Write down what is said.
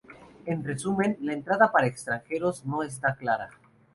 En resumen, la entrada para extranjeros no está clara.